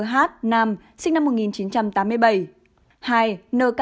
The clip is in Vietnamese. phương việt hưng